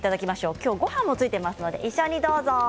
今日はごはんもついているので一緒にどうぞ。